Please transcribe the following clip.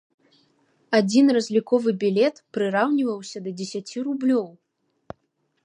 Адзін разліковы білет прыраўніваўся да дзесяці рублёў.